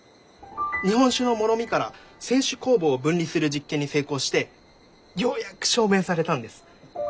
日本酒のもろみから清酒酵母を分離する実験に成功してようやく証明されたんです。